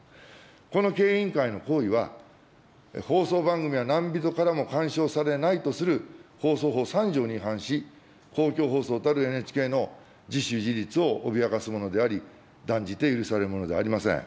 この経営委員会の行為は、放送番組は何人からも監視をされないとする放送法３条に違反し、公共放送たるＮＨＫの自主自律を脅かすものであり、断じて許されるものではありません。